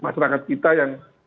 masyarakat kita yang